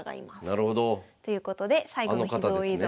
なるほど。ということで最後の秘蔵映像は。